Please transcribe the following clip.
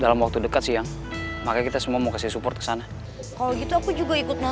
itu harusnya serang gue